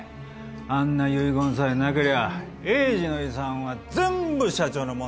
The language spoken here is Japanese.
あんな遺言さえなけりゃ栄治の遺産は全部社長のもんなんだ。